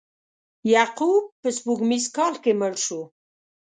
یعقوب په سپوږمیز کال کې مړ شو.